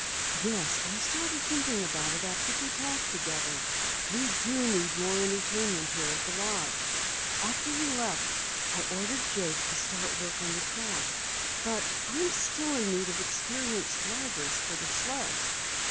"Yes, I started thinking about it after we talked together. We do need more entertainment here at the lodge. After you left I ordered Jake to start work on the track. But I still am in need of experienced drivers for the sled."